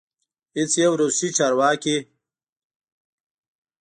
هیڅ یو روسي چارواکی